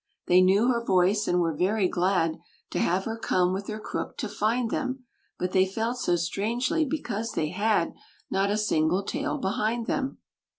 They knew her voice, and were very glad To have her come with her crook to find them, But they felt so strangely because they had Not a single tail behind them.